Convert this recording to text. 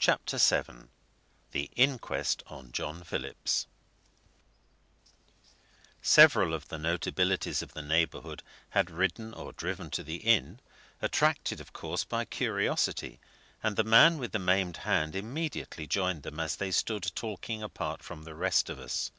CHAPTER VII THE INQUEST ON JOHN PHILLIPS Several of the notabilities of the neighbourhood had ridden or driven to the inn, attracted, of course, by curiosity, and the man with the maimed hand immediately joined them as they stood talking apart from the rest of us.